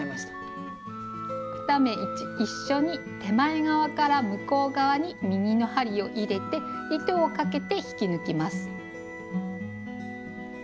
２目一緒に手前側から向こう側に右の針を入れて糸をかけて引き抜きます。